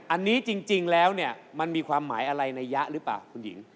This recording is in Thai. อันนี้จริงแล้วเนี่ยมันมีความหมายอะไรในยะหรือเปล่าคุณหญิง